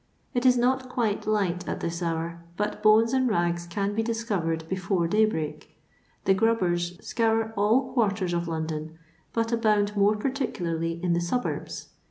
It is not quite light at this hour— but bones and rags can be diKovered before daybreak. The "grubbers" scour all quarters of London, but abound more particu larly in the suburbs.